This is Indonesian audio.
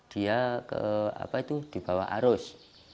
dia dibawa arus